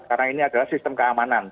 karena ini adalah sistem keamanan